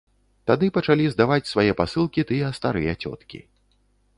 Тады пачалі здаваць свае пасылкі тыя старыя цёткі.